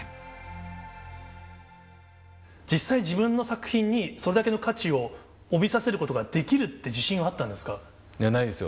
実際、自分の作品に、それだけの価値を帯びさせることができるって自信はあったんですないですよ。